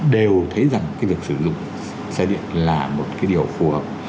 đều thấy rằng cái việc sử dụng xe điện là một cái điều phù hợp